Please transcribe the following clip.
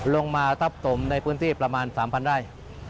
ลงมาทับสมในพื้นที่ประมาณ๓๐๐ไร่